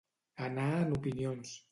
Anar en opinions.